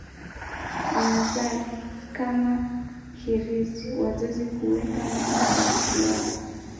nazar kama hirizi Wazazi huweka macho kwa watoto wao